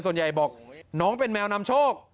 ส่วนใหญ่บอกน้องเป็นแมวนำโชค